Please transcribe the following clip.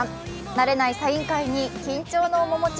慣れないサイン会に緊張の面持ち。